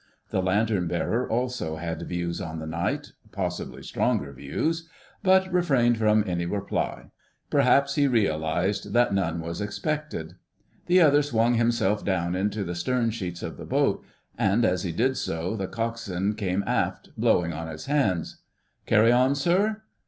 The lantern bearer also had views on the night—possibly stronger views—but refrained from any reply. Perhaps he realised that none was expected. The other swung himself down into the sternsheets of the boat, and, as he did so, the Coxswain came aft, blowing on his hands. "Carry on, sir?"